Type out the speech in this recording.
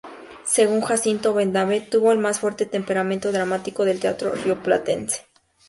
Según Jacinto Benavente, tuvo el más fuerte temperamento dramático del teatro rioplatense.